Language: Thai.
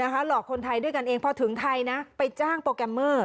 หลอกคนไทยด้วยกันเองพอถึงไทยนะไปจ้างโปรแกรมเมอร์